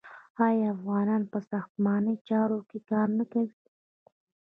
آیا افغانان په ساختماني چارو کې کار نه کوي؟